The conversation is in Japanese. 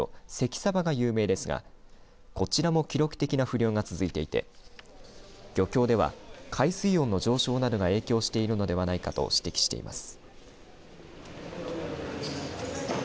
さばが有名ですがこちらも記録的な不漁が続いていて漁協では、海水温の上昇などが影響しているのではないかと指摘しています。